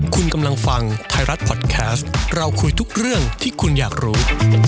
คุณกำลังฟังไทยรัฐพอดแคสต์เราคุยทุกเรื่องที่คุณอยากรู้